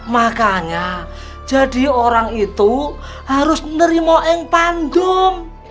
makanya jadi orang itu harus nerima yang pandem